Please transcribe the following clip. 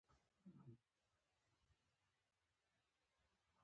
مسبب ذکر شي او مراد ځني سبب يي.